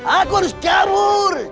aku harus kabur